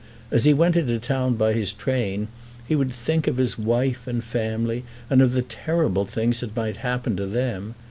As he went into town by his train, he would think of his wife and family and of the terrible things that might happen to them.